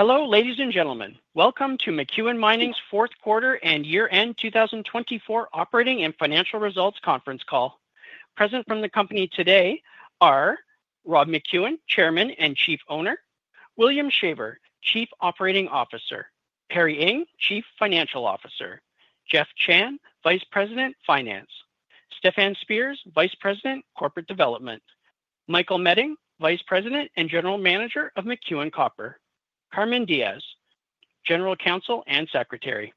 Hello, ladies and gentlemen. Welcome to McEwen Mining's fourth quarter and year-end 2024 operating and financial results conference call. Present from the company today are Rob McEwen, Chairman and Chief Owner; William Shaver, Chief Operating Officer; Perry Ing, Chief Financial Officer; Jeff Chan, Vice President, Finance; Stefan Spears, Vice President, Corporate Development; Michael Meding, Vice President and General Manager of McEwen Copper; Carmen Diges, General Counsel and Secretary.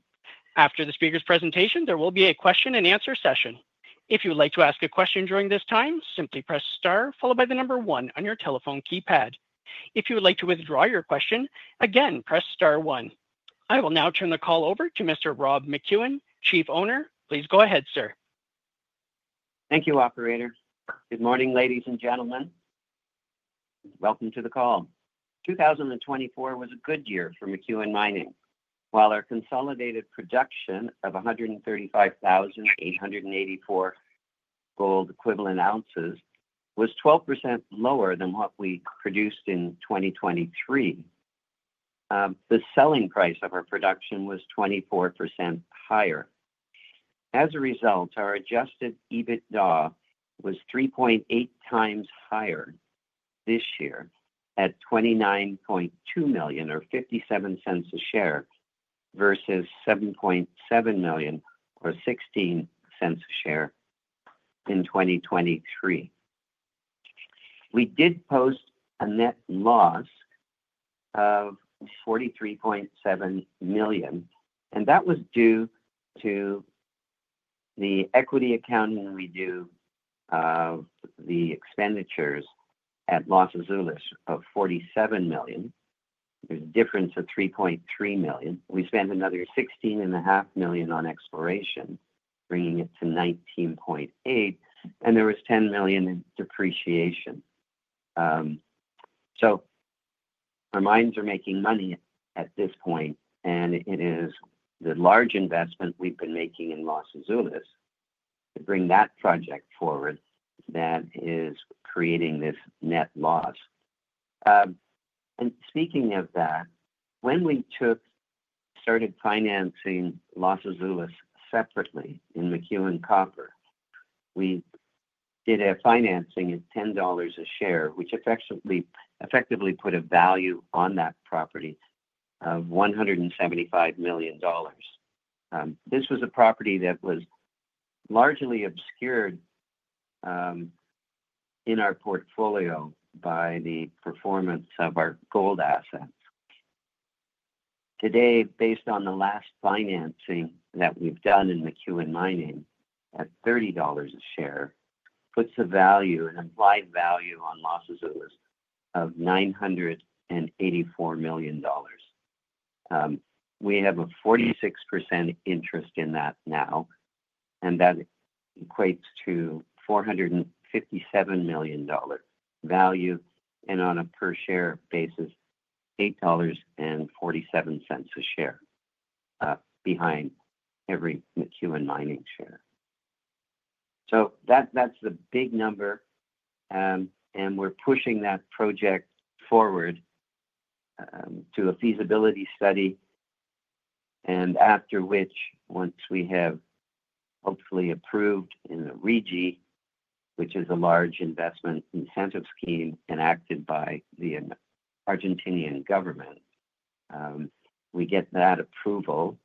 After the speaker's presentation, there will be a question-and-answer session. If you would like to ask a question during this time, simply press star followed by the number one on your telephone keypad. If you would like to withdraw your question, again, press star one. I will now turn the call over to Mr. Rob McEwen, Chief Owner. Please go ahead, sir. Thank you, Operator. Good morning, ladies and gentlemen. Welcome to the call. 2024 was a good year for McEwen Mining, while our consolidated production of 135,884 gold-equivalent ounces was 12% lower than what we produced in 2023. The selling price of our production was 24% higher. As a result, our adjusted EBITDA was 3.8x higher this year at $29.2 million or $0.57 a share versus $7.7 million or $0.16 a share in 2023. We did post a net loss of $43.7 million, and that was due to the equity accounting we do of the expenditures at Los Azules of $47 million. There's a difference of $3.3 million. We spent another $16.5 million on exploration, bringing it to $19.8 million, and there was $10 million in depreciation. Our mines are making money at this point, and it is the large investment we've been making in Los Azules to bring that project forward that is creating this net loss. Speaking of that, when we started financing Los Azules separately in McEwen Copper, we did a financing at $10 a share, which effectively put a value on that property of $175 million. This was a property that was largely obscured in our portfolio by the performance of our gold assets. Today, based on the last financing that we've done in McEwen Mining at $30 a share, it puts a value, an implied value, on Los Azules of $984 million. We have a 46% interest in that now, and that equates to $457 million value, and on a per-share basis, $8.47 a share behind every McEwen Mining share. That's the big number, and we're pushing that project forward to a feasibility study, after which, once we have hopefully approved in the RIGI, which is a large investment incentive scheme enacted by the Argentinian government, we get that approval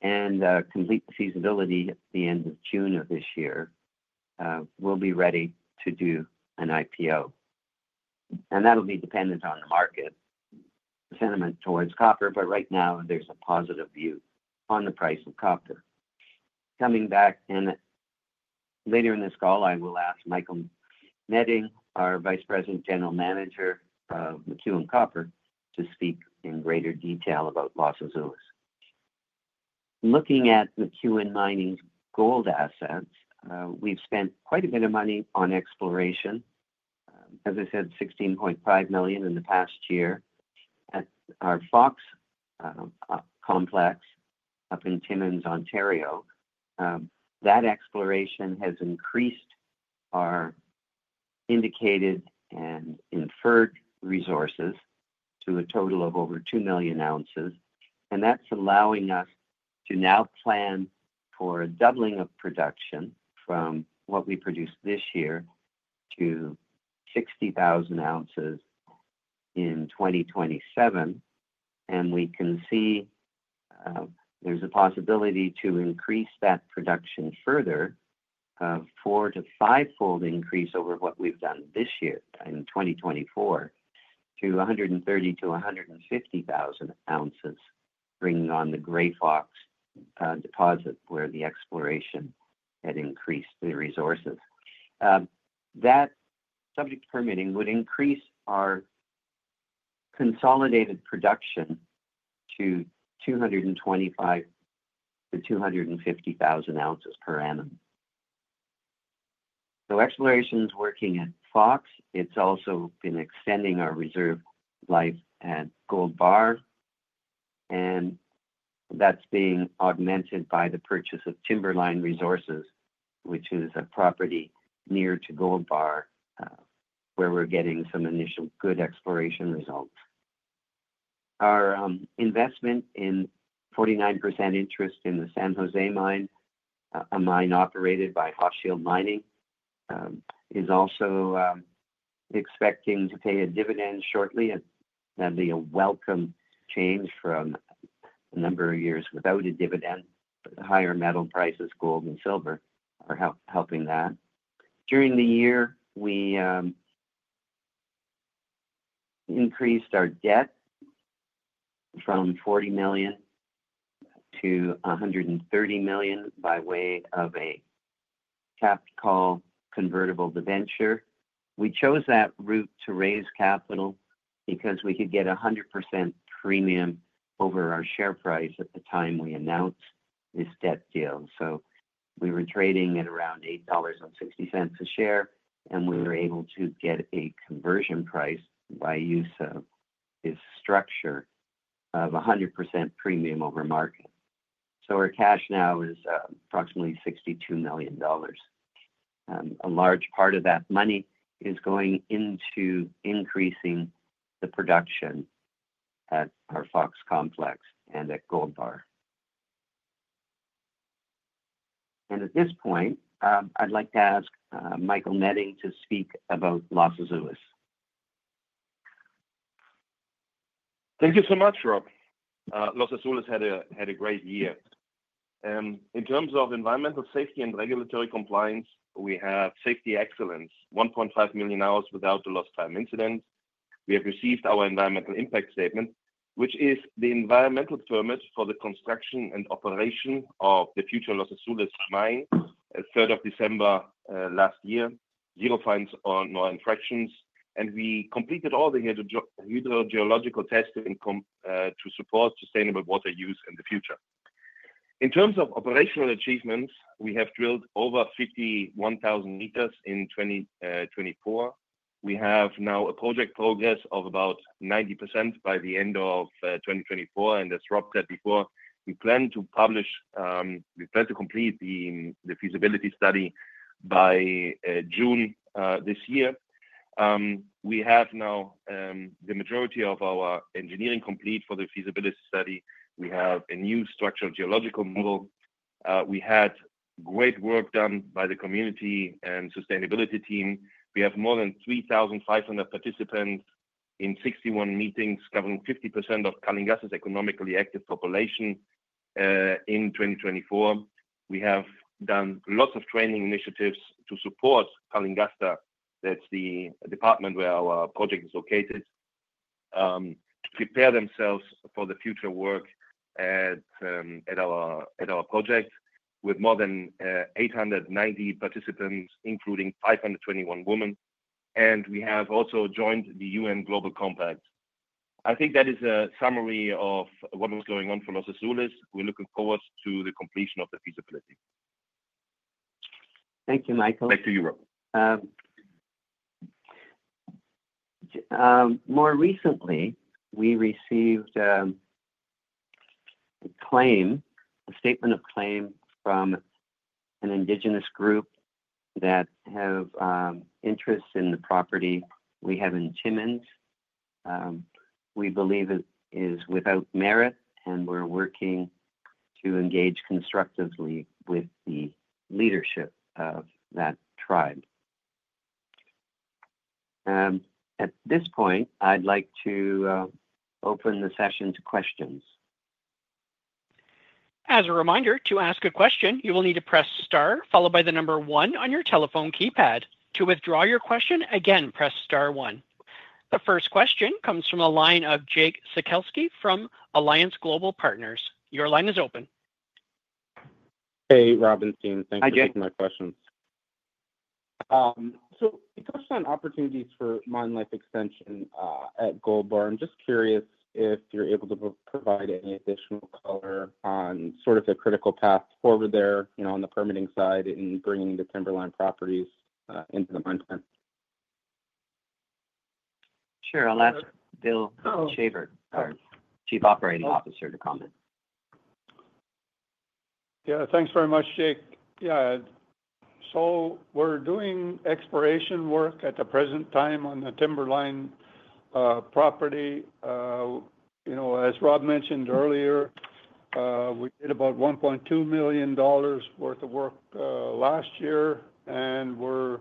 and complete the feasibility at the end of June of this year, we'll be ready to do an IPO. That'll be dependent on the market sentiment towards copper, but right now there's a positive view on the price of copper. Coming back later in this call, I will ask Michael Meding, our Vice President, General Manager of McEwen Copper, to speak in greater detail about Los Azules. Looking at McEwen Mining's gold assets, we've spent quite a bit of money on exploration. As I said, $16.5 million in the past year at our Fox Complex up in Timmins, Ontario. That exploration has increased our indicated and inferred resources to a total of over 2 million ounces, and that's allowing us to now plan for a doubling of production from what we produced this year to 60,000 ounces in 2027. We can see there's a possibility to increase that production further, a four to five-fold increase over what we've done this year in 2024 to 130,000-150,000 ounces, bringing on the Grey Fox deposit where the exploration had increased the resources. That, subject to permitting, would increase our consolidated production to 225,000-250,000 ounces per annum. Exploration's working at Fox. It's also been extending our reserve life at Gold Bar, and that's being augmented by the purchase of Timberline Resources, which is a property near to Gold Bar where we're getting some initial good exploration results. Our investment in 49% interest in the San Jose Mine, a mine operated by Hochschild Mining, is also expecting to pay a dividend shortly. That'd be a welcome change from a number of years without a dividend, but the higher metal prices, gold and silver, are helping that. During the year, we increased our debt from $40 million to $130 million by way of a capital convertible debenture. We chose that route to raise capital because we could get a 100% premium over our share price at the time we announced this debt deal. We were trading at around $8.60 a share, and we were able to get a conversion price by use of this structure of 100% premium over market. Our cash now is approximately $62 million. A large part of that money is going into increasing the production at our Fox Complex and at Gold Bar. At this point, I'd like to ask Michael Meding to speak about Los Azules. Thank you so much, Rob. Los Azules had a great year. In terms of environmental safety and regulatory compliance, we have safety excellence, 1.5 million hours without a lost-time incident. We have received our environmental impact statement, which is the environmental permit for the construction and operation of the future Los Azules mine as of December 3, last year, zero fines or no infractions, and we completed all the hydrogeological testing to support sustainable water use in the future. In terms of operational achievements, we have drilled over 51,000 meters in 2024. We have now a project progress of about 90% by the end of 2024, and as Rob said before, we plan to publish, we plan to complete the feasibility study by June this year. We have now the majority of our engineering complete for the feasibility study. We have a new structural geological model. We had great work done by the community and sustainability team. We have more than 3,500 participants in 61 meetings covering 50% of Calingasta's economically active population in 2024. We have done lots of training initiatives to support Calingasta. That's the department where our project is located, to prepare themselves for the future work at our project with more than 890 participants, including 521 women, and we have also joined the UN Global Compact. I think that is a summary of what was going on for Los Azules. We're looking forward to the completion of the feasibility. Thank you, Michael. Back to you, Rob. More recently, we received a claim, a statement of claim from an indigenous group that has interest in the property we have in Timmins. We believe it is without merit, and we're working to engage constructively with the leadership of that tribe. At this point, I'd like to open the session to questions. As a reminder, to ask a question, you will need to press star followed by the number one on your telephone keypad. To withdraw your question, again, press star one. The first question comes from a line of Jake Sekelsky from Alliance Global Partners. Your line is open. Hey, Rob and team, thanks for taking my questions. We touched on opportunities for mine life extension at Gold Bar. I'm just curious if you're able to provide any additional color on sort of the critical path forward there on the permitting side in bringing the Timberline properties into the mine plan. Sure. I'll ask Bill Shaver, our Chief Operating Officer, to comment. Yeah, thanks very much, Jake. Yeah, so we're doing exploration work at the present time on the Timberline property. As Rob mentioned earlier, we did about $1.2 million worth of work last year, and we're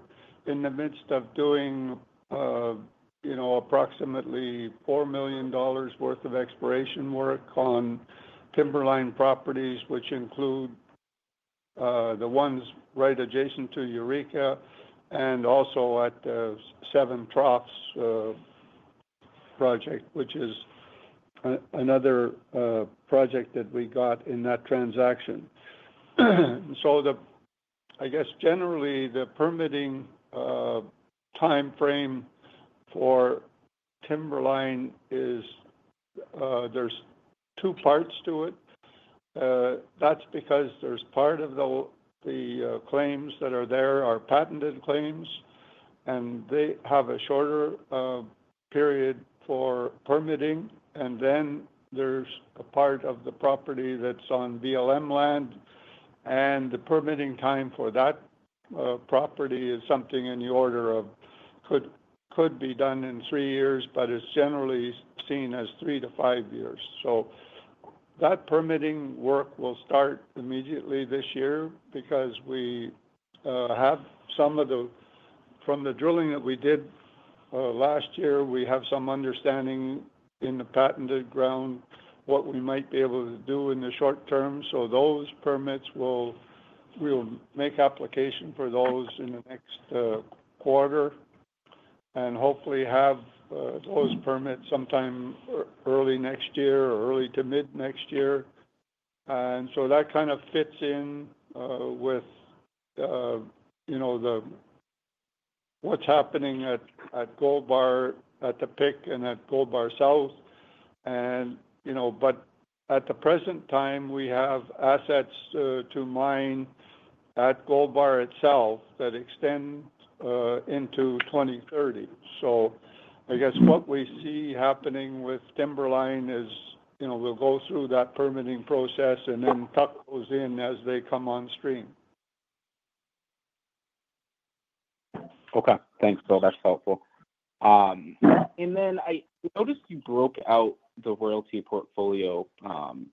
in the midst of doing approximately $4 million worth of exploration work on Timberline properties, which include the ones right adjacent to Eureka and also at the Seven Troughs project, which is another project that we got in that transaction. I guess generally the permitting timeframe for Timberline is there's two parts to it. That's because there's part of the claims that are there are patented claims, and they have a shorter period for permitting, and then there's a part of the property that's on BLM land, and the permitting time for that property is something in the order of could be done in three years, but it's generally seen as three to five years. That permitting work will start immediately this year because we have some of the from the drilling that we did last year, we have some understanding in the patented ground what we might be able to do in the short term. Those permits will we'll make application for those in the next quarter and hopefully have those permits sometime early next year or early to mid next year. That kind of fits in with what's happening at Gold Bar at the Pick and at Gold Bar South. At the present time, we have assets to mine at Gold Bar itself that extend into 2030. I guess what we see happening with Timberline is we'll go through that permitting process and then tuck those in as they come on stream. Okay. Thanks, Bill. That's helpful. I noticed you broke out the royalty portfolio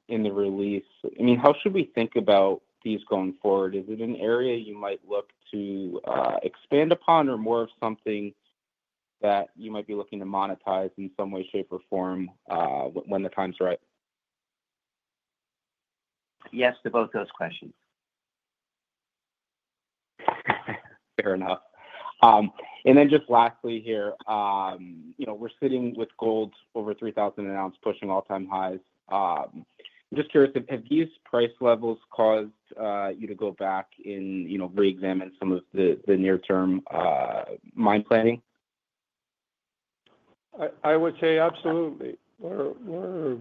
in the release. I mean, how should we think about these going forward? Is it an area you might look to expand upon or more of something that you might be looking to monetize in some way, shape, or form when the time's right? Yes to both those questions. Fair enough. Lastly, here, we're sitting with gold over $3,000 an ounce pushing all-time highs. I'm just curious, have these price levels caused you to go back and re-examine some of the near-term mine planning? I would say absolutely. We're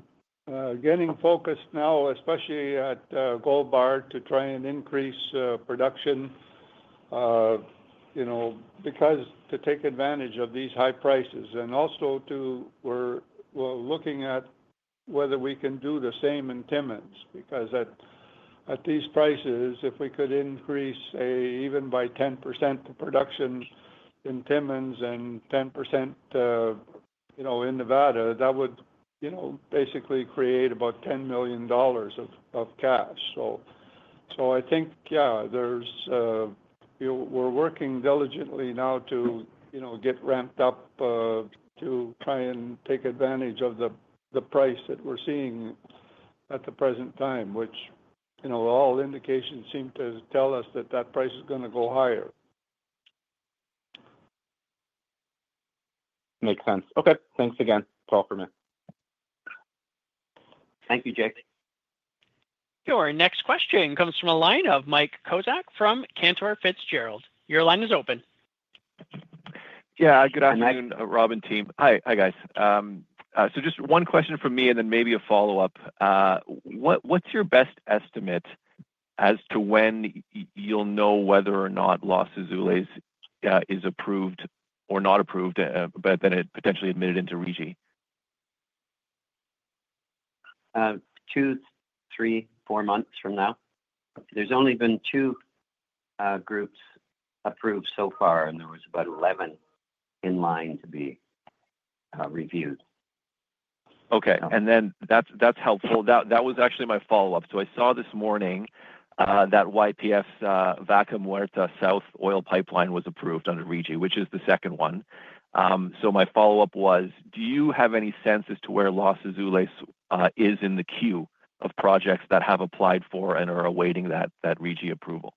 getting focused now, especially at Gold Bar, to try and increase production because to take advantage of these high prices. Also we're looking at whether we can do the same in Timmins because at these prices, if we could increase even by 10% the production in Timmins and 10% in Nevada, that would basically create about $10 million of cash. I think, yeah, we're working diligently now to get ramped up to try and take advantage of the price that we're seeing at the present time, which all indications seem to tell us that that price is going to go higher. Makes sense. Okay. Thanks again, It's all from me. Thank you, Jake. Your next question comes from a line of Mike Kozak from Cantor Fitzgerald. Your line is open. Yeah. Good afternoon, Rob and Team. Hi, hi guys. Just one question from me and then maybe a follow-up. What's your best estimate as to when you'll know whether or not Los Azules is approved or not approved, but then it potentially admitted into RIGI? Two, three, four months from now. There's only been two groups approved so far, and there was about 11 in line to be reviewed. Okay. That was actually my follow-up. I saw this morning that YPF's Vaca Muerta Sur oil pipeline was approved under RIGI, which is the second one. My follow-up was, do you have any sense as to where Los Azules is in the queue of projects that have applied for and are awaiting that RIGI approval?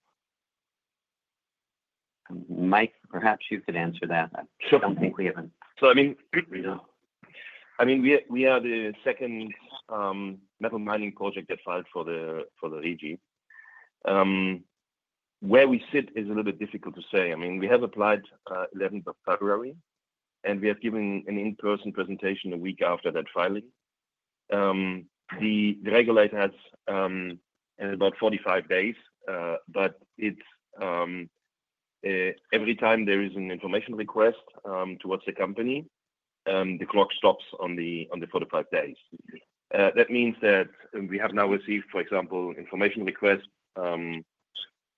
Mike, perhaps you could answer that. Sure. I don't think we have. I mean, we have a second metal mining project that filed for the RIGI. Where we sit is a little bit difficult to say. I mean, we have applied 11th of February, and we have given an in-person presentation a week after that filing. The regulator has about 45 days, but every time there is an information request towards the company, the clock stops on the 45 days. That means that we have now received, for example, information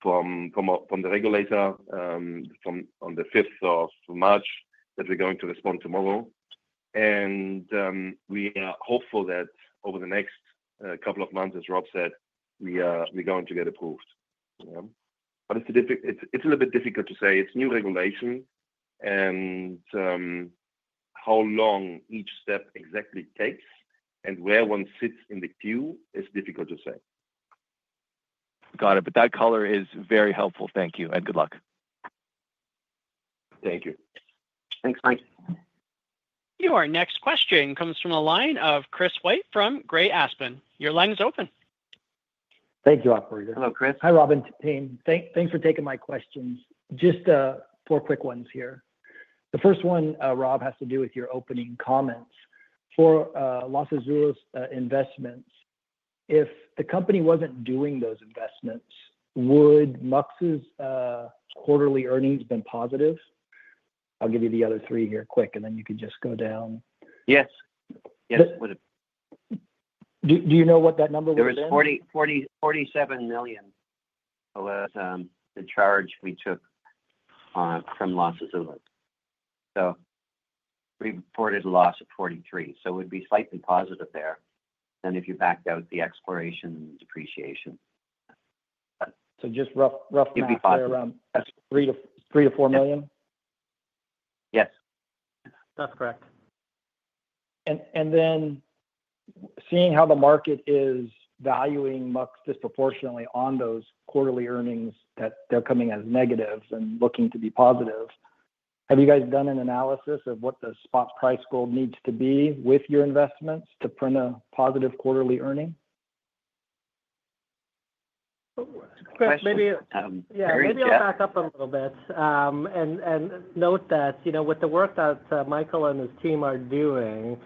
requests from the regulator on the 5th of March that we're going to respond tomorrow. We are hopeful that over the next couple of months, as Rob said, we're going to get approved. It is a little bit difficult to say. It is new regulation, and how long each step exactly takes and where one sits in the queue is difficult to say. Got it. That color is very helpful. Thank you and good luck. Thank you. Thanks, Mike. Your next question comes from a line of Chris White from GreyAspen. Your line is open. Thank you, Rob. Hello, Chris. Hi, Rob and Team. Thanks for taking my questions. Just four quick ones here. The first one, Rob, has to do with your opening comments. For Los Azules investments, if the company wasn't doing those investments, would MUX's quarterly earnings have been positive? I'll give you the other three here quick, and then you can just go down. Yes. Yes, it would have. Do you know what that number was then? There was $47 million that the charge we took from Los Azules. We reported a loss of $43 million. It would be slightly positive there than if you backed out the exploration and depreciation. Just rough math there, Rob, that's $3 million-$4 million? Yes. That's correct. And then seeing how the market is valuing MUX disproportionately on those quarterly earnings that they're coming as negatives and looking to be positive, have you guys done an analysis of what the spot price gold needs to be with your investments to print a positive quarterly earning? Chris, maybe I'll back up a little bit and note that with the work that Michael and his team are doing,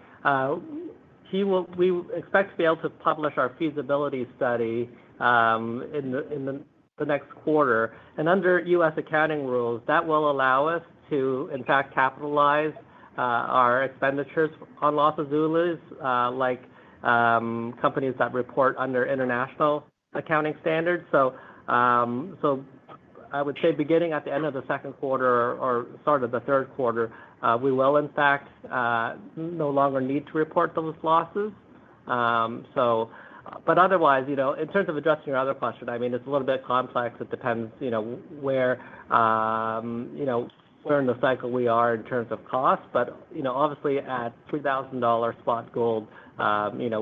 we expect to be able to publish our feasibility study in the next quarter. Under U.S. accounting rules, that will allow us to, in fact, capitalize our expenditures on Los Azules, like companies that report under international accounting standards. I would say beginning at the end of the second quarter or start of the third quarter, we will, in fact, no longer need to report those losses. Otherwise, in terms of addressing your other question, I mean, it's a little bit complex. It depends where in the cycle we are in terms of cost. Obviously, at $3,000 spot gold,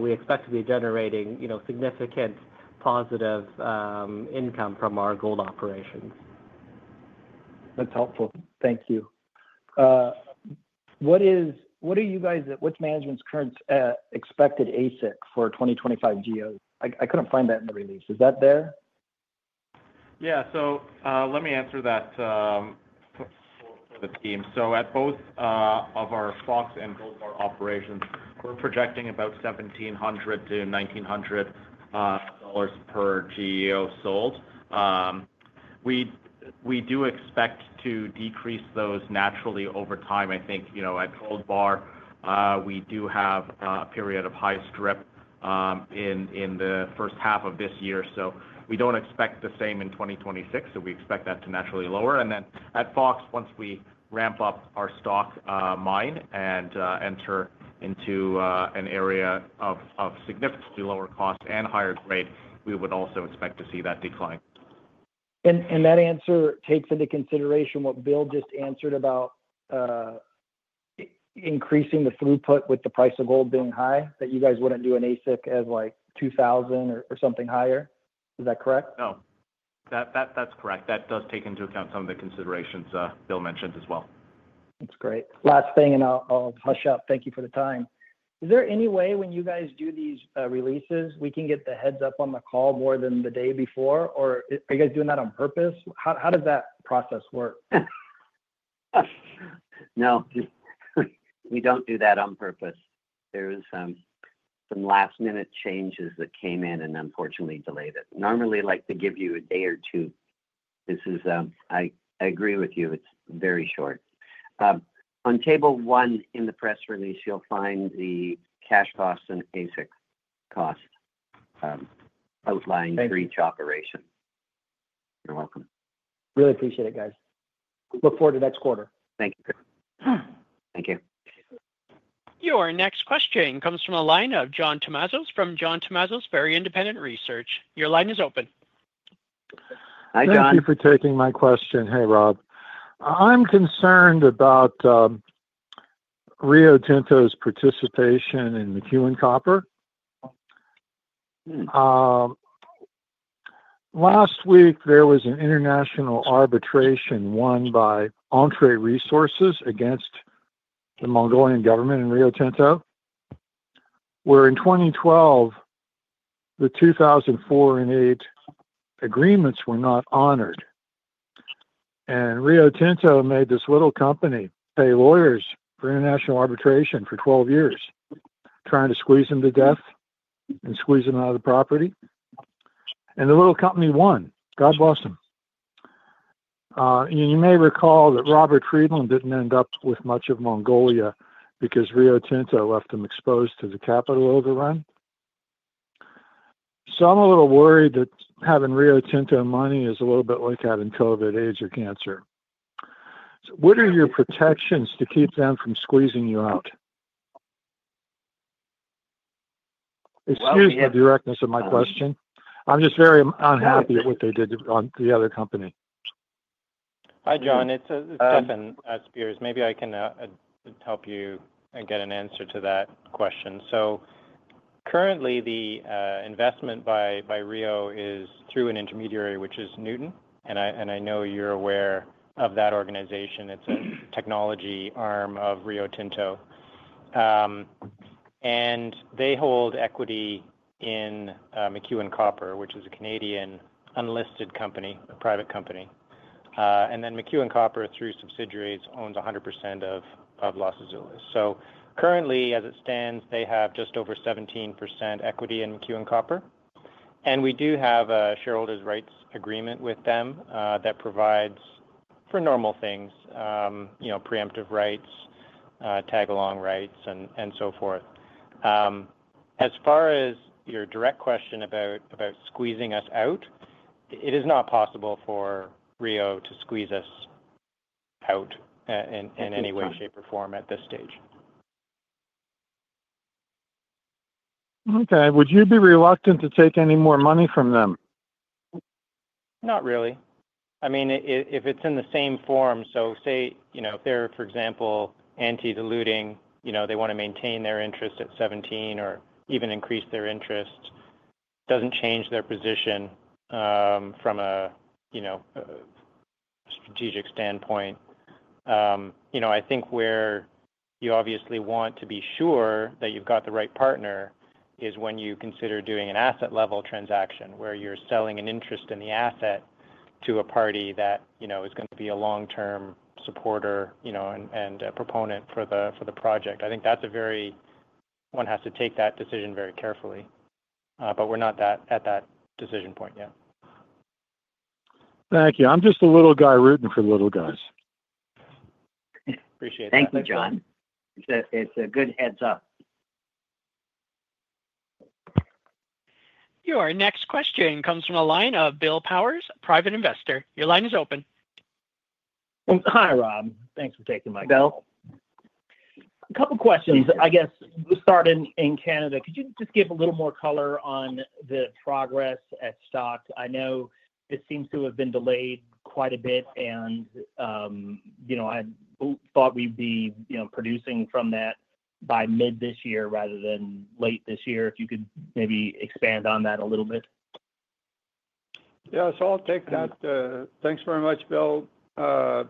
we expect to be generating significant positive income from our gold operations. That's helpful. Thank you. What are you guys, what's management's current expected AISC for 2025 GEOs? I couldn't find that in the release. Is that there? Yeah. Let me answer that for the team. At both of our spots and Gold Bar operations, we're projecting about $1,700-$1,900 per GEO sold. We do expect to decrease those naturally over time. I think at Gold Bar, we do have a period of high strip in the first half of this year. We do not expect the same in 2026. We expect that to naturally lower. At Fox, once we ramp up our Stock Mine and enter into an area of significantly lower cost and higher grade, we would also expect to see that decline. That answer takes into consideration what Bill just answered about increasing the throughput with the price of gold being high, that you guys would not do an AISC as like $2,000 or something higher. Is that correct? No. That's correct. That does take into account some of the considerations Bill mentioned as well. That's great. Last thing, and I'll hush up. Thank you for the time. Is there any way when you guys do these releases, we can get the heads up on the call more than the day before, or are you guys doing that on purpose? How does that process work? No. We don't do that on purpose. There were some last-minute changes that came in and unfortunately delayed it. Normally, I like to give you a day or two. I agree with you. It's very short. On table one in the press release, you'll find the cash costs and AISC cost outlined for each operation. You're welcome. Really appreciate it, guys. Look forward to next quarter. Thank you. Thank you. Your next question comes from a line of John Tumazos from John Tumazos Very Independent Research. Your line is open. Hi John. Thank you for taking my question. Hey, Rob. I'm concerned about Rio Tinto's participation in the McEwen Copper. Last week, there was an international arbitration won by Entrée Resources against the Mongolian government and Rio Tinto, where in 2012, the 2004 and 2008 agreements were not honored. Rio Tinto made this little company pay lawyers for international arbitration for 12 years, trying to squeeze them to death and squeeze them out of the property. The little company won. God bless them. You may recall that Robert Friedland did not end up with much of Mongolia because Rio Tinto left them exposed to the capital overrun. I'm a little worried that having Rio Tinto money is a little bit like having COVID, AIDS, or cancer. What are your protections to keep them from squeezing you out? Excuse the directness of my question. I'm just very unhappy at what they did to the other company. Hi, John. It's Stefan Spears. Maybe I can help you and get an answer to that question. Currently, the investment by Rio is through an intermediary, which is Nuton. I know you're aware of that organization. It's a technology arm of Rio Tinto. They hold equity in McEwen Copper, which is a Canadian unlisted company, a private company. McEwen Copper, through subsidiaries, owns 100% of Los Azules. Currently, as it stands, they have just over 17% equity in McEwen Copper. We do have a shareholders' rights agreement with them that provides, for normal things, preemptive rights, tag-along rights, and so forth. As far as your direct question about squeezing us out, it is not possible for Rio to squeeze us out in any way, shape, or form at this stage. Okay. Would you be reluctant to take any more money from them? Not really. I mean, if it's in the same form, so say if they're, for example, anti-diluting, they want to maintain their interest at 17% or even increase their interest, it doesn't change their position from a strategic standpoint. I think where you obviously want to be sure that you've got the right partner is when you consider doing an asset-level transaction where you're selling an interest in the asset to a party that is going to be a long-term supporter and proponent for the project. I think that's a very one has to take that decision very carefully. We are not at that decision point yet. Thank you. I'm just a little guy rooting for little guys. Appreciate that. Thank you, John. It's a good heads up. Your next question comes from a line of Bill Powers, private investor. Your line is open. Hi, Rob. Thanks for taking my call. A couple of questions. I guess we'll start in Canada. Could you just give a little more color on the progress at Stock? I know it seems to have been delayed quite a bit, and I thought we'd be producing from that by mid this year rather than late this year. If you could maybe expand on that a little bit. Yeah. I'll take that. Thanks very much, Bill. I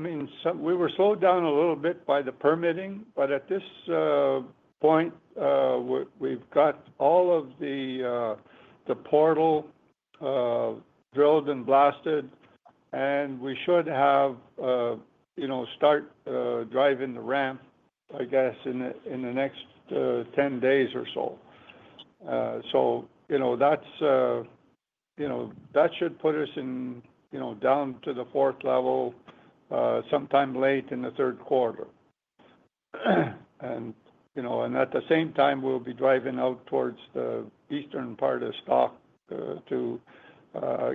mean, we were slowed down a little bit by the permitting, but at this point, we've got all of the portal drilled and blasted, and we should start driving the ramp, I guess, in the next 10 days or so. That should put us down to the fourth level sometime late in the third quarter. At the same time, we'll be driving out towards the eastern part of Stock to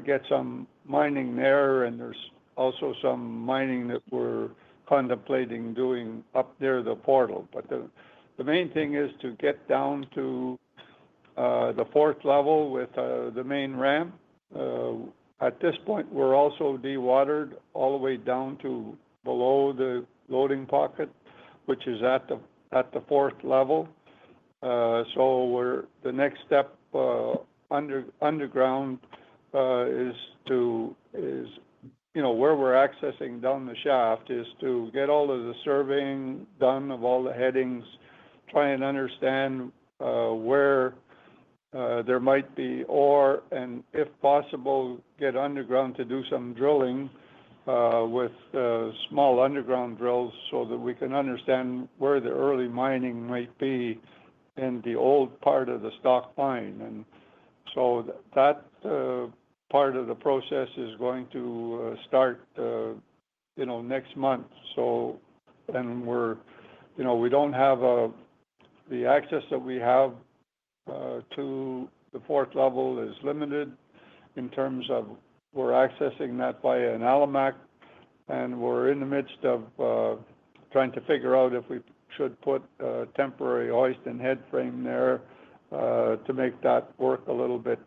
get some mining there. There's also some mining that we're contemplating doing up near the portal. The main thing is to get down to the fourth level with the main ramp. At this point, we've also dewatered all the way down to below the loading pocket, which is at the fourth level. The next step underground is to where we're accessing down the shaft is to get all of the surveying done of all the headings, try and understand where there might be ore, and if possible, get underground to do some drilling with small underground drills so that we can understand where the early mining might be in the old part of the Stock Mine. That part of the process is going to start next month. We don't have the access that we have to the fourth level is limited in terms of we're accessing that via an [Alimak], and we're in the midst of trying to figure out if we should put a temporary hoist and head frame there to make that work a little bit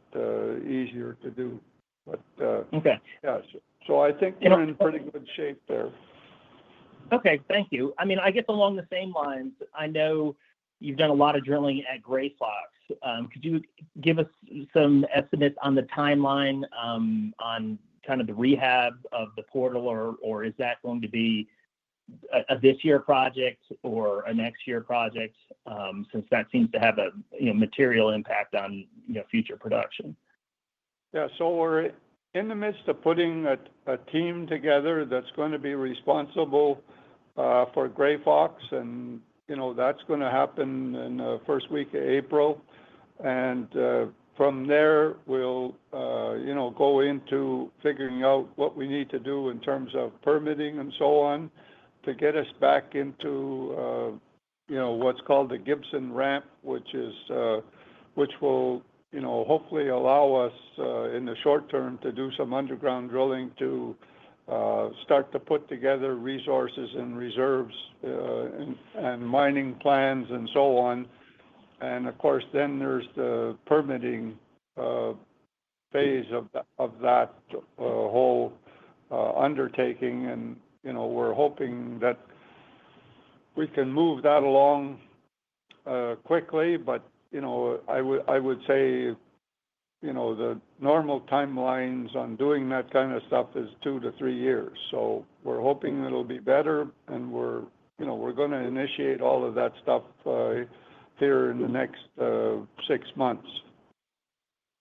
easier to do. I think we're in pretty good shape there. Okay. Thank you. I mean, I guess along the same lines, I know you've done a lot of drilling at Grey Fox. Could you give us some estimates on the timeline on kind of the rehab of the portal, or is that going to be a this-year project or a next-year project since that seems to have a material impact on future production? Yeah. We're in the midst of putting a team together that's going to be responsible for Grey Fox, and that's going to happen in the first week of April. From there, we'll go into figuring out what we need to do in terms of permitting and so on to get us back into what's called the Gibson Ramp, which will hopefully allow us in the short term to do some underground drilling to start to put together resources and reserves and mining plans and so on. Of course, then there's the permitting phase of that whole undertaking. We're hoping that we can move that along quickly. I would say the normal timelines on doing that kind of stuff is two to three years. We're hoping it'll be better, and we're going to initiate all of that stuff here in the next six months.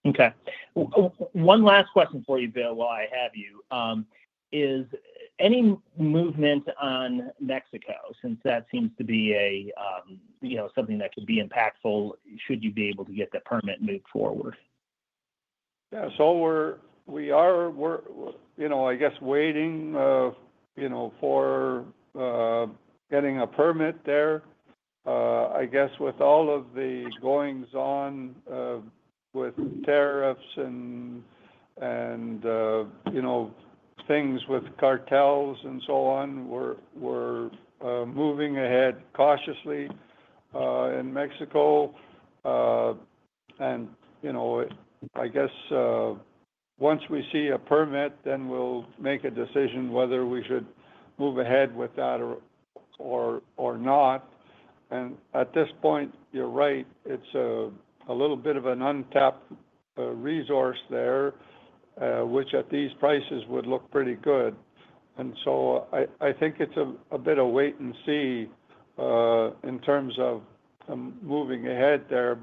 Okay. One last question for you, Bill, while I have you, is any movement on Mexico since that seems to be something that could be impactful should you be able to get the permit moved forward? Yeah. We are, I guess, waiting for getting a permit there. I guess with all of the goings-on with tariffs and things with cartels and so on, we're moving ahead cautiously in Mexico. I guess once we see a permit, then we'll make a decision whether we should move ahead with that or not. At this point, you're right. It's a little bit of an untapped resource there, which at these prices would look pretty good. I think it's a bit of wait and see in terms of moving ahead there.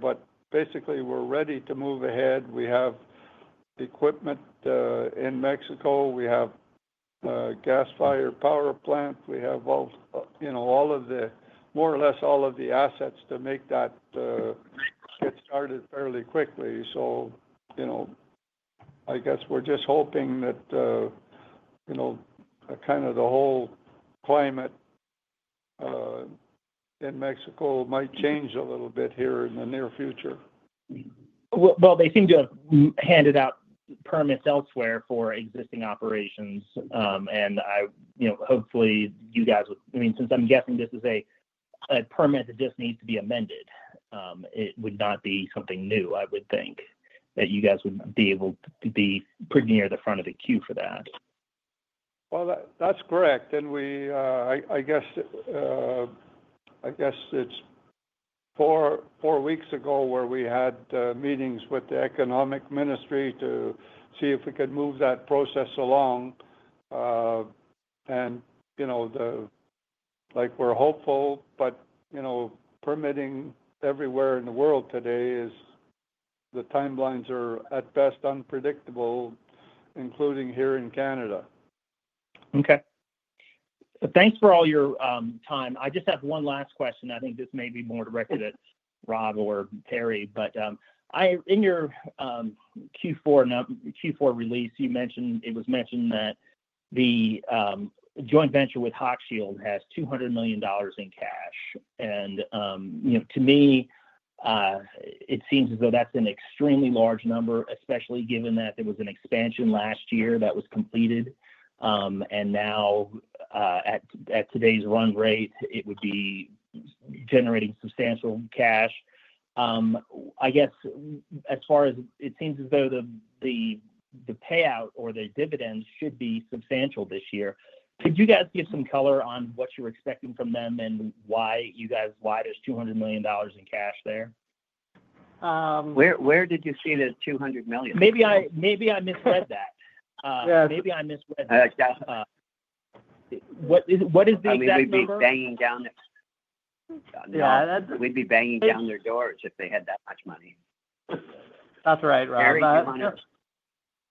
Basically, we're ready to move ahead. We have equipment in Mexico. We have a gas-fired power plant. We have more or less all of the assets to make that get started fairly quickly. I guess we're just hoping that kind of the whole climate in Mexico might change a little bit here in the near future. They seem to have handed out permits elsewhere for existing operations. I mean, since I'm guessing this is a permit that just needs to be amended, it would not be something new, I would think, that you guys would be able to be pretty near the front of the queue for that. That is correct. I guess it is four weeks ago where we had meetings with the Economic Ministry to see if we could move that process along. We are hopeful, but permitting everywhere in the world today, the timelines are at best unpredictable, including here in Canada. Okay. Thanks for all your time. I just have one last question. I think this may be more directed at Rob or Perry. In your Q4 release, it was mentioned that the joint venture with Hochschild has $200 million in cash. To me, it seems as though that's an extremely large number, especially given that there was an expansion last year that was completed. Now, at today's run rate, it would be generating substantial cash. I guess as far as it seems as though the payout or the dividends should be substantial this year. Could you guys give some color on what you're expecting from them and why there's $200 million in cash there? Where did you see the $200 million? Maybe I misread that. Maybe I misread that. What is the exact number? We'd be banging down their doors if they had that much money. That's right, Rob.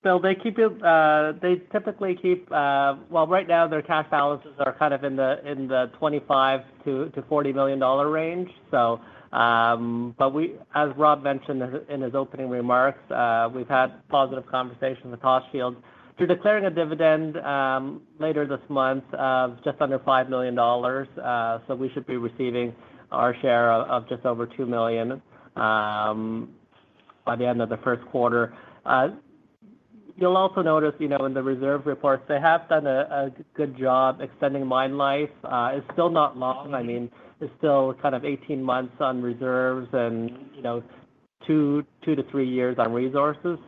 Bill, they typically keep, right now, their cash balances are kind of in the $25 million-$40 million range. As Rob mentioned in his opening remarks, we've had positive conversations with Hochschild. They're declaring a dividend later this month of just under $5 million. We should be receiving our share of just over $2 million by the end of the first quarter. You'll also notice in the reserve reports, they have done a good job extending mine life. It's still not long. I mean, it's still kind of 18 months on reserves and two to three years on resources.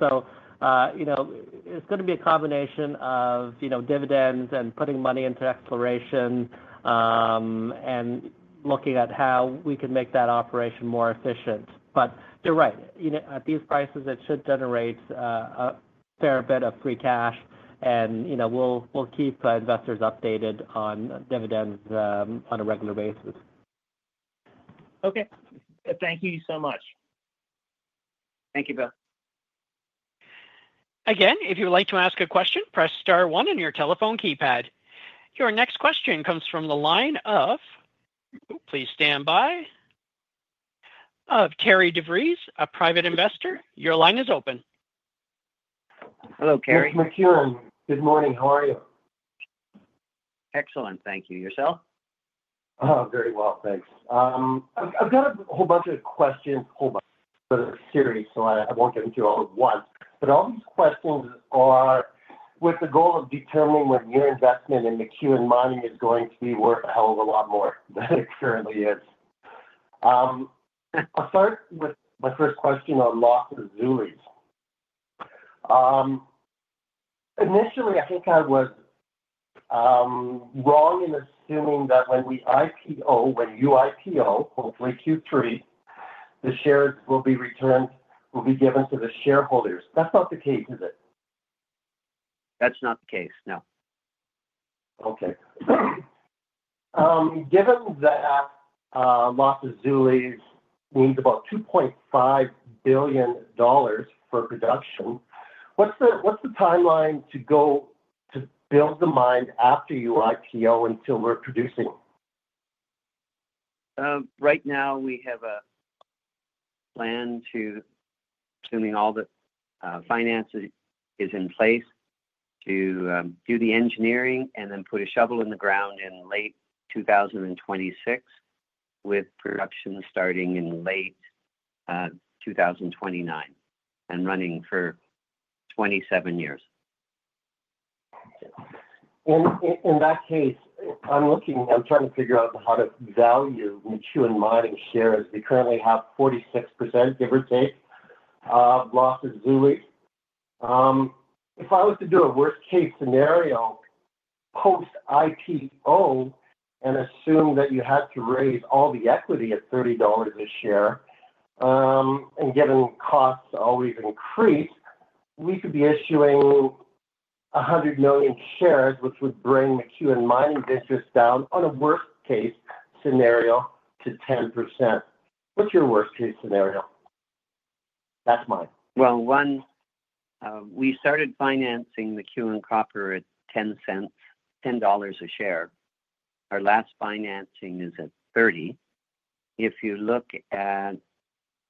It's going to be a combination of dividends and putting money into exploration and looking at how we can make that operation more efficient. You're right. At these prices, it should generate a fair bit of free cash. We'll keep investors updated on dividends on a regular basis. Okay. Thank you so much. Thank you, Bill. Again, if you'd like to ask a question, press star one on your telephone keypad. Your next question comes from the line of, please stand by, of Terry DeVries, a private investor. Your line is open. Hello, Terry. This is McEwen. Good morning. How are you? Excellent. Thank you. Yourself? Very well. Thanks. I've got a whole bunch of questions, a whole bunch, but it's serious, so I won't get into all at once. All these questions are with the goal of determining when your investment in McEwen Mining is going to be worth a hell of a lot more than it currently is. I'll start with my first question on losses and Zulis. Initially, I think I was wrong in assuming that when we IPO, when you IPO, hopefully Q3, the shares will be returned, will be given to the shareholders. That's not the case, is it? That's not the case. No. Okay. Given that Los Azules means about $2.5 billion for production, what's the timeline to build the mine after you IPO until we're producing? Right now, we have a plan to, assuming all the financing is in place, to do the engineering and then put a shovel in the ground in late 2026, with production starting in late 2029 and running for 27 years. In that case, I'm trying to figure out how to value McEwen Mining's shares. We currently have 46%, give or take, of Los Azules. If I was to do a worst-case scenario post-IPO and assume that you had to raise all the equity at $30 a share, and given costs always increase, we could be issuing 100 million shares, which would bring McEwen Mining's interest down on a worst-case scenario to 10%. What's your worst-case scenario? That's mine. One, we started financing McEwen Copper at 10 cents, $10 a share. Our last financing is at 30. If you look at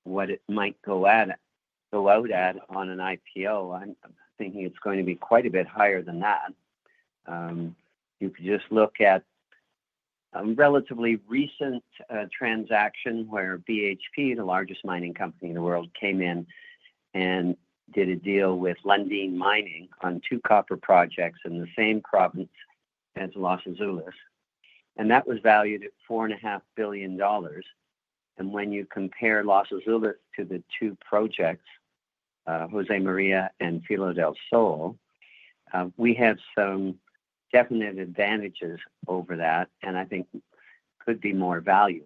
what it might go out at on an IPO, I'm thinking it's going to be quite a bit higher than that. You could just look at a relatively recent transaction where BHP, the largest mining company in the world, came in and did a deal with Lundin Mining on two copper projects in the same province as Los Azules. That was valued at $4.5 billion. When you compare Los Azules to the two projects, Josemaría and Filo del Sol, we have some definite advantages over that, and I think could be more value.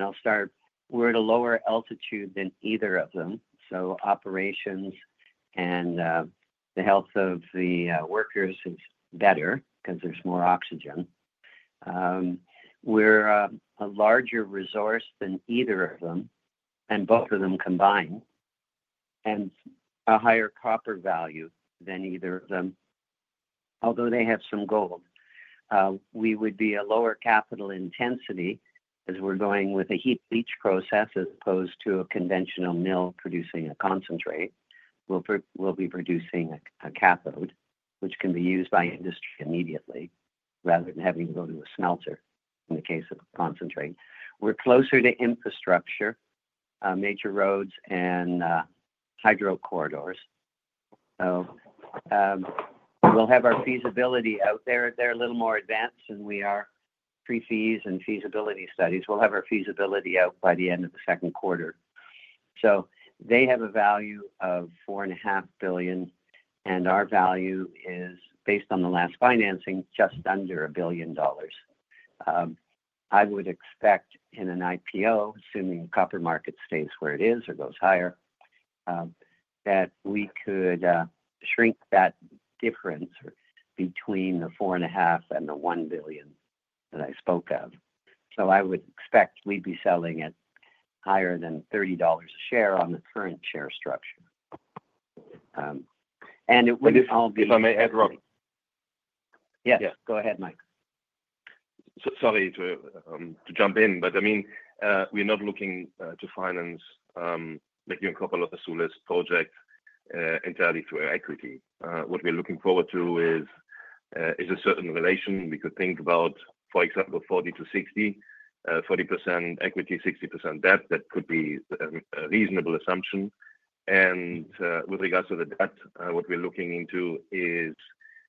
I'll start. We're at a lower altitude than either of them. Operations and the health of the workers is better because there's more oxygen. We're a larger resource than either of them, and both of them combined, and a higher copper value than either of them, although they have some gold. We would be a lower capital intensity as we're going with a heap leach process as opposed to a conventional mill producing a concentrate. We'll be producing a cathode, which can be used by industry immediately rather than having to go to a smelter in the case of concentrate. We're closer to infrastructure, major roads, and hydro corridors. We'll have our feasibility out there. They're a little more advanced than we are pre-feas and feasibility studies. We'll have our feasibility out by the end of the second quarter. They have a value of $4.5 billion, and our value is, based on the last financing, just under $1 billion. I would expect in an IPO, assuming copper market stays where it is or goes higher, that we could shrink that difference between the $4.5 billion and the $1 billion that I spoke of. I would expect we'd be selling at higher than $30 a share on the current share structure. It would all be. If I may add, Rob. Yes. Go ahead, Mike. Sorry to jump in, but I mean, we're not looking to finance McEwen Copper or the Los Azules project entirely through equity. What we're looking forward to is a certain relation. We could think about, for example, 40%-60%, 40% equity, 60% debt. That could be a reasonable assumption. With regards to the debt, what we're looking into is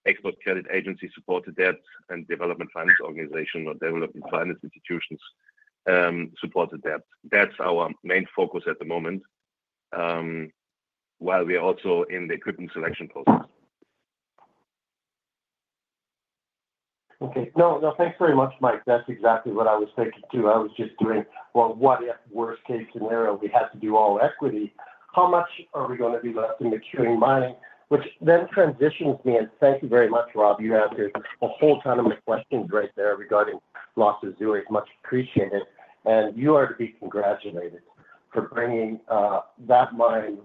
export credit agency-supported debt and development finance organization or development finance institutions-supported debt. That's our main focus at the moment, while we're also in the equipment selection process. Okay. No, thanks very much, Mike. That's exactly what I was thinking too. I was just doing, well, what if worst-case scenario, we had to do all equity? How much are we going to be left in McEwen Mining? Which then transitions me, and thank you very much, Rob. You answered a whole ton of my questions right there regarding Los Azules. Much appreciated. You are to be congratulated for bringing that mine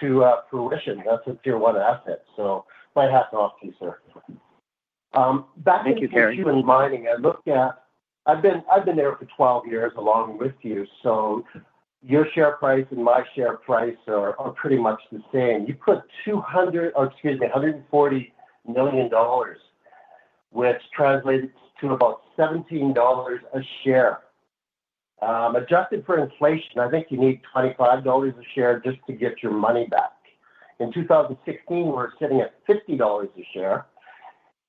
to fruition. That's a tier-one asset. My hat's off to you, sir. Back to McEwen Mining. I've been there for 12 years along with you. Your share price and my share price are pretty much the same. You put $140 million, which translates to about $17 a share. Adjusted for inflation, I think you need $25 a share just to get your money back. In 2016, we were sitting at $50 a share.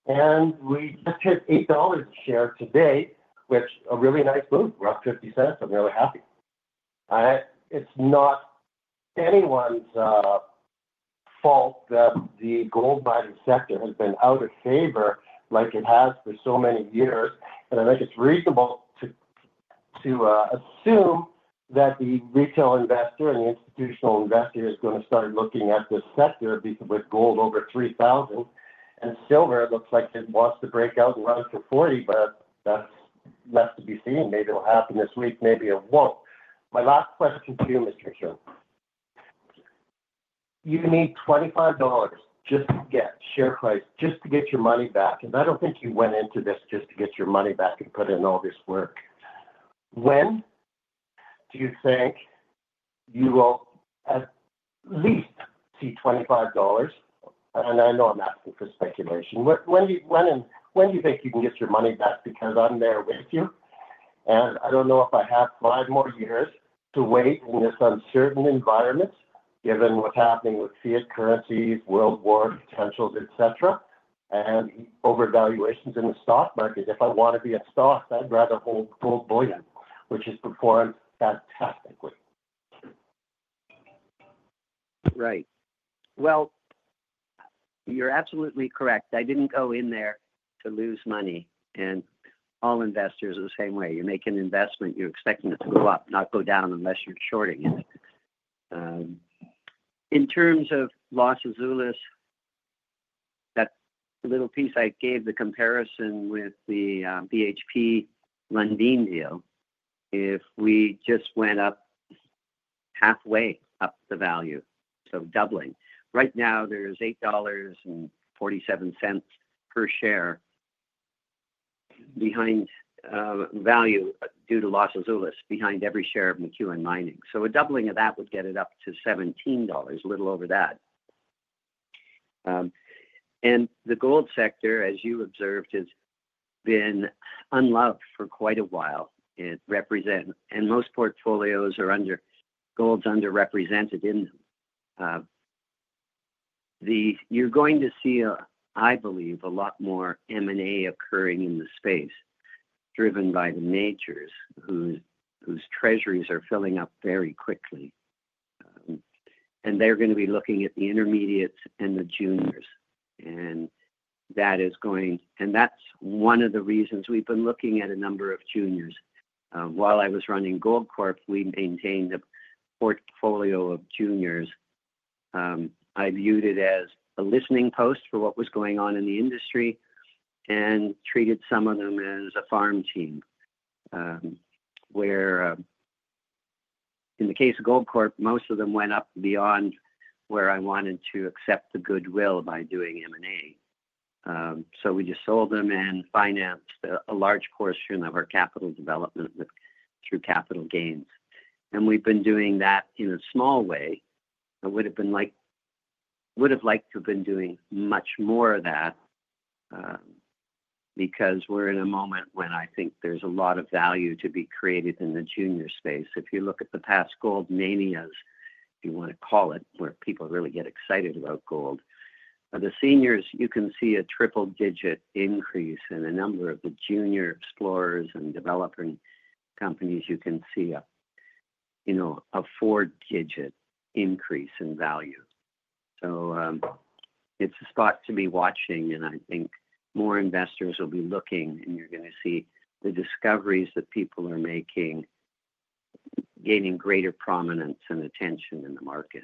We just hit $8 a share today, which is a really nice move. We're up 50 cents. I'm really happy. It's not anyone's fault that the gold mining sector has been out of favor like it has for so many years. I think it's reasonable to assume that the retail investor and the institutional investor is going to start looking at this sector with gold over $3,000. Silver looks like it wants to break out and run to $40. That's left to be seen. Maybe it'll happen this week. Maybe it won't. My last question to you, Mr. McEwen. You need $25 just to get share price, just to get your money back. I don't think you went into this just to get your money back and put in all this work. When do you think you will at least see $25? I know I'm asking for speculation. When do you think you can get your money back? Because I'm there with you. I don't know if I have five more years to wait in this uncertain environment, given what's happening with fiat currencies, World War potentials, etc., and overvaluations in the stock market. If I want to be in stock, I'd rather hold gold bullion, which has performed fantastically. Right. You're absolutely correct. I didn't go in there to lose money. All investors are the same way. You make an investment, you're expecting it to go up, not go down unless you're shorting it. In terms of losses and Los Azules, that little piece I gave, the comparison with the BHP Lundin deal, if we just went up halfway up the value, so doubling. Right now, there's $8.47 per share due to losses and Los Azules behind every share of McEwen Mining. A doubling of that would get it up to $17, a little over that. The gold sector, as you observed, has been unloved for quite a while. Most portfolios are under gold's underrepresented in them. You're going to see, I believe, a lot more M&A occurring in the space, driven by the majors whose treasuries are filling up very quickly. They're going to be looking at the intermediates and the juniors. That is one of the reasons we've been looking at a number of juniors. While I was running Goldcorp, we maintained a portfolio of juniors. I viewed it as a listening post for what was going on in the industry and treated some of them as a farm team. In the case of Goldcorp, most of them went up beyond where I wanted to accept the goodwill by doing M&A. We just sold them and financed a large portion of our capital development through capital gains. We've been doing that in a small way. I would have liked to have been doing much more of that because we're in a moment when I think there's a lot of value to be created in the junior space. If you look at the past gold manias, if you want to call it, where people really get excited about gold, the seniors, you can see a triple-digit increase in the number of the junior explorers and developing companies. You can see a four-digit increase in value. It is a spot to be watching. I think more investors will be looking. You are going to see the discoveries that people are making gaining greater prominence and attention in the market.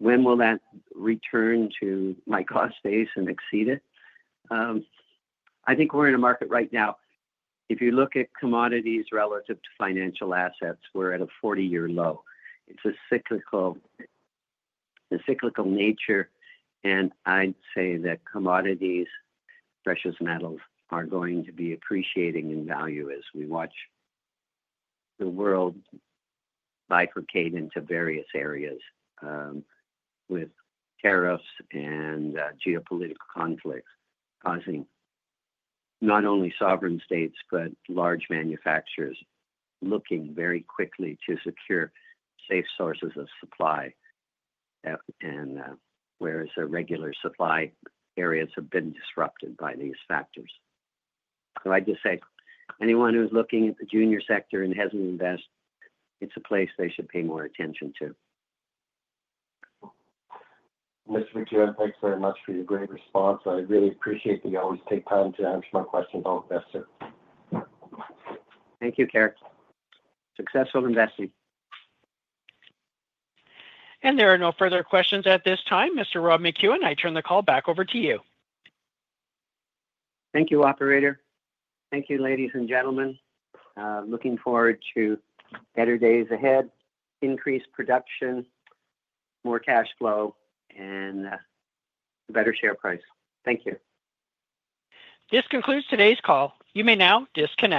When will that return to my cost base and exceed it? I think we are in a market right now. If you look at commodities relative to financial assets, we are at a 40-year low. It is a cyclical nature. I would say that commodities, precious metals, are going to be appreciating in value as we watch the world bifurcate into various areas with tariffs and geopolitical conflicts causing not only sovereign states but large manufacturers looking very quickly to secure safe sources of supply. Whereas regular supply areas have been disrupted by these factors. I would just say anyone who is looking at the junior sector and has not invested, it is a place they should pay more attention to. Mr. McEwen, thanks very much for your great response. I really appreciate that you always take time to answer my questions. All the best, sir. Thank you, Terry. Successful investing. There are no further questions at this time, Mr. Rob McEwen. I turn the call back over to you. Thank you, Operator. Thank you, ladies and gentlemen. Looking forward to better days ahead, increased production, more cash flow, and a better share price. Thank you. This concludes today's call. You may now disconnect.